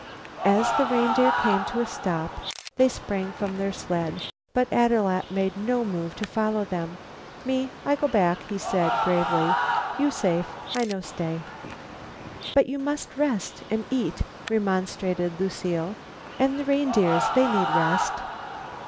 As the reindeer came to a stop they sprang from their sled, but Ad loo at made no move to follow them. "Me I go back," he said gravely. "You safe I no stay." "But you must rest and eat," remonstrated Lucile. "And the reindeers, they need rest."